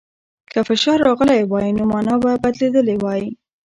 که فشار راغلی وای، نو مانا به بدلېدلې وای.